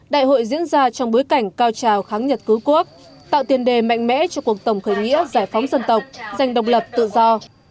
đại hội diễn ra trong bối cảnh cao trào kháng nhật cứu quốc tạo tiền đề mạnh mẽ cho cuộc tổng khởi nghĩa giải phóng dân tộc giành độc lập tự do